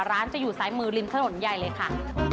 ร้านจะอยู่ซ้ายมือริมถนนใหญ่เลยค่ะ